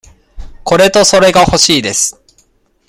これとそれがほしいです。